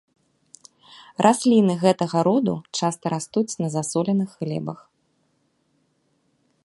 Расліны гэтага роду часта растуць на засоленых глебах.